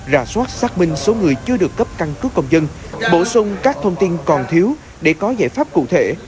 rà soát xác minh số người chưa được cấp căn cước công dân bổ sung các thông tin còn thiếu để có giải pháp cụ thể